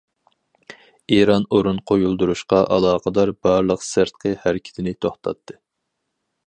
ئىران ئورۇن قويۇلدۇرۇشقا ئالاقىدار بارلىق سىرتقى ھەرىكىتىنى توختاتتى.